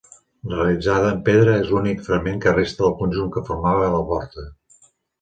Realitzada en pedra, és l'únic fragment que resta del conjunt que formava la porta.